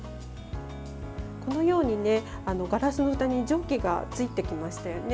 このようにガラスのふたに蒸気がついてきましたよね。